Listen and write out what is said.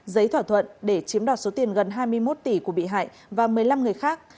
giấy thỏa thuận để chiếm đoạt số tiền gần hai mươi một tỷ của bị hại và một mươi năm người khác